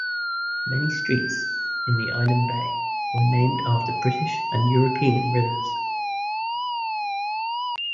Many streets in Island Bay were named after British and European rivers.